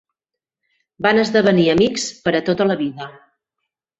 Van esdevenir amics per a tota la vida.